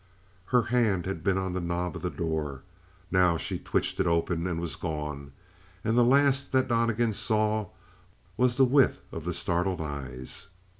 Her hand had been on the knob of the door; now she twitched it open and was gone; and the last that Donnegan saw was the width of the startled eyes.